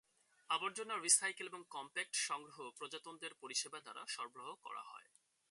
আবর্জনা, রিসাইকেল এবং কমপ্যাক্ট সংগ্রহ প্রজাতন্ত্রের পরিষেবা দ্বারা সরবরাহ করা হয়।